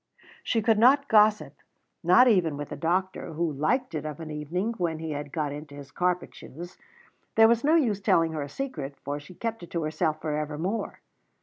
She could not gossip, not even with the doctor, who liked it of an evening when he had got into his carpet shoes. There was no use telling her a secret, for she kept it to herself for evermore.